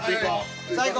最高。